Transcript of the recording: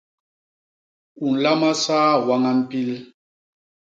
U nlama saa wañan pil.